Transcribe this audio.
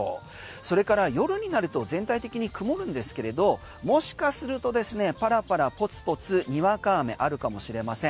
それから夜になると全体的に曇るんですけれどもしかするとですねパラパラポツポツにわか雨あるかもしれません。